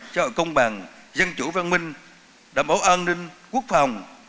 cho công bằng dân chủ văn minh đảm bảo an ninh quốc phòng